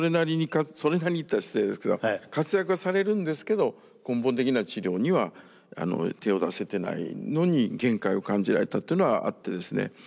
それなりにと言ったら失礼ですけど活躍はされるんですけど根本的な治療には手を出せてないのに限界を感じられたというのはあってですね